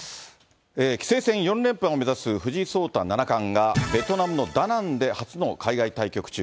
棋聖戦４連覇を目指す藤井聡太七冠が、ベトナムのダナンで初の海外対局中。